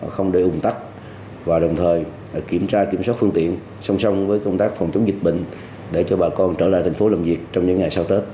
không để ủng tắc và đồng thời kiểm tra kiểm soát phương tiện song song với công tác phòng chống dịch bệnh để cho bà con trở lại thành phố làm việc trong những ngày sau tết